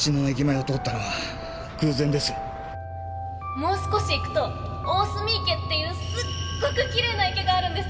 もう少し行くと大澄池っていうすっごくきれいな池があるんです。